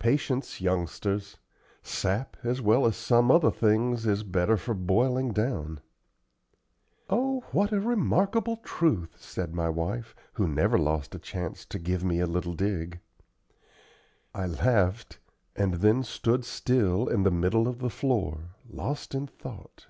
"Patience, youngsters; sap, as well as some other things, is better for boiling down." "Oh what a remarkable truth!" said my wife, who never lost a chance to give me a little dig. I laughed, and then stood still in the middle of the floor, lost in thought.